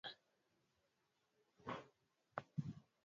Kikristo kwanza katika majangwa ya Misri halafu sehemu nyingine zote